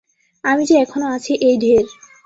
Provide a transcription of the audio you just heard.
আমি যে এখনো আছি, এই ঢের।